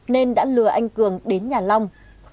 nên đã lừa anh cường đến nhà long